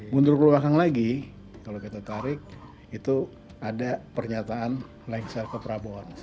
mundur ke belakang lagi kalau kita tarik itu ada pernyataan lengser ke prabowo sembilan puluh tujuh nya